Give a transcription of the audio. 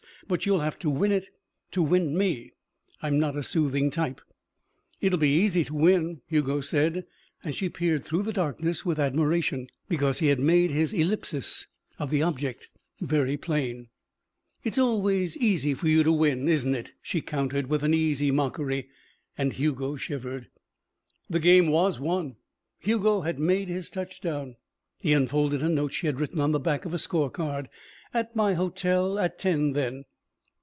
But you'll have to win it to win me. I'm not a soothing type." "It will be easy to win," Hugo said and she peered through the darkness with admiration, because he had made his ellipsis of the object very plain. "It is always easy for you to win, isn't it?" she countered with an easy mockery, and Hugo shivered. The game was won. Hugo had made his touchdown. He unfolded a note she had written on the back of a score card. "At my hotel at ten, then."